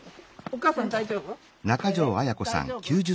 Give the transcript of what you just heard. おかあさん大丈夫？